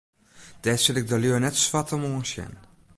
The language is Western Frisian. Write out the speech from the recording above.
Dêr sil ik de lju net swart om oansjen.